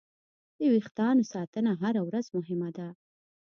د وېښتیانو ساتنه هره ورځ مهمه ده.